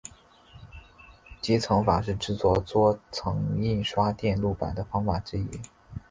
积层法是制作多层印刷电路板的方法之一。